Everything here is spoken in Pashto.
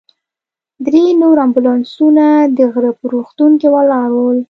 درې نور امبولانسونه د غره په روغتون کې ولاړ ول.